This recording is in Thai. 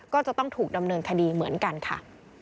ก็จะต้องถูกดำเนินคดีเหมือนกันค่ะ